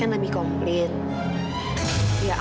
kamu ngetes apa lagi zahira